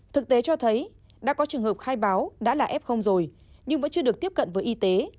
thực tế cho thấy đã có trường hợp khai báo đã là f rồi nhưng vẫn chưa được tiếp cận với y tế